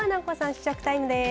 試食タイムです。